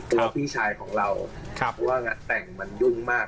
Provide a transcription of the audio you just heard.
พี่ชายของเราว่างานแต่งมันยุ่งมาก